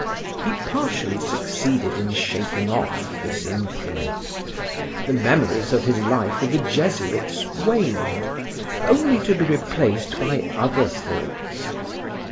He partially succeeded in shaking off this influence. The memories of his life with the Jesuits waned, only to be replaced by other thoughts.